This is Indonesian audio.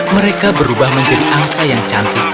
mereka berubah menjadi angsa yang cantik